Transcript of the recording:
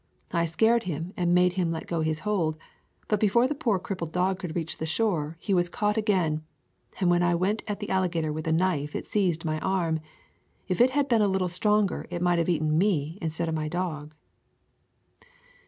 I scared him and made him let go his hold, but before the poor crippled dog could reach the shore, he was caught again, and when I went at the alligator with a knife, it seized my arm. If it had been a little stronger it might have eaten me instead of my dog."